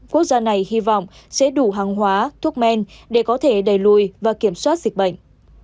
quốc gia này hy vọng sẽ đủ hàng hóa thuốc men để có thể đẩy lùi và kiểm soát dịch bệnh